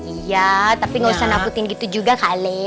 iya tapi gak usah nakutin gitu juga kali